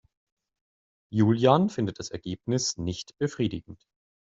Julian findet das Ergebnis nicht befriedigend.